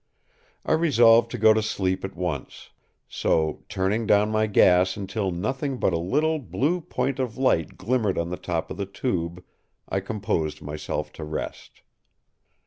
I resolved to go to sleep at once; so, turning down my gas until nothing but a little blue point of light glimmered on the top of the tube, I composed myself to rest.